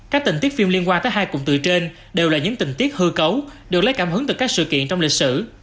các tình tiết phim liên quan tới hai cụm từ trên đều là những tình tiết hư cấu được lấy cảm hứng từ các sự kiện trong lịch sử